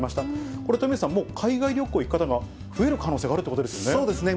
これ、鳥海さん、海外旅行行く方が増える可能性があるっていうこそうですね。